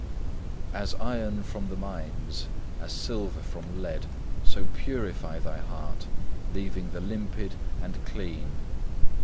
"As iron from the mines, As silver from lead, So purify thy heart, Loving the limpid and clean.